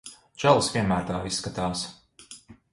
Čalis vienmēr tā izskatās.